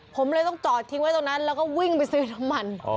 ผมเลยต้องจอดทิ้งไว้ตรงนั้นแล้วก็วิ่งไปซื้อน้ำมัน